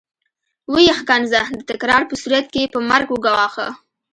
ويې ښکنځه د تکرار په صورت کې يې په مرګ وګواښه.